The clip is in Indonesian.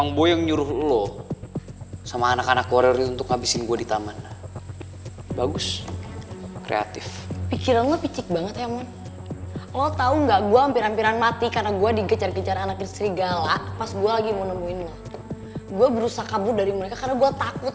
gue berusaha kabur dari mereka karena gue takut